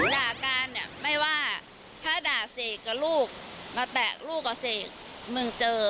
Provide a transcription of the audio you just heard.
ด่าการเนี่ยไม่ว่าถ้าด่าเสกกับลูกมาแตะลูกกับเสกมึงเจอ